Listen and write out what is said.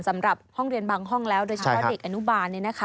สำหรับห้องเรียนบางห้องแล้วโดยเฉพาะเด็กอนุบาล